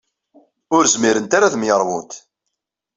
Ur zmirent ara ad myeṛwunt.